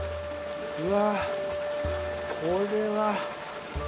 うわこれは。